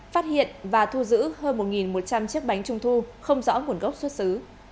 phát hiện và thu giữ hơn một một trăm linh chiếc bánh trung thu không rõ nguồn gốc xuất xứ